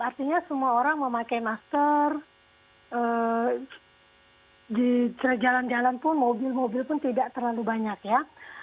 artinya semua orang memakai masker di jalan jalan pun mobil mobil pun tidak terlalu banyak ya